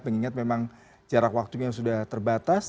mengingat memang jarak waktunya sudah terbatas